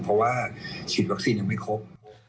เพราะว่าฉีดวัคซีนยังไม่ครบ